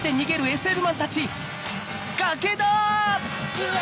うわ！